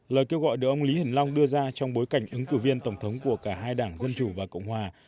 lời kêu gọi được ông lý hiển long đưa ra trong bối cảnh ứng cử viên tổng thống của cả hai đảng dân chủ và cộng hòa